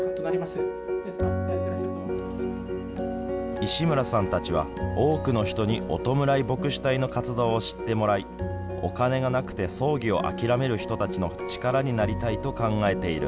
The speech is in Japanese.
石村さんたちは多くの人におとむらい牧師隊の活動を知ってもらいお金がなくて葬儀を諦める人たちの力になりたいと考えている。